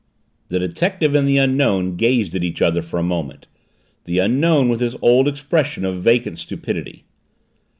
The detective and the Unknown gazed at each other for a moment the Unknown with his old expression of vacant stupidity.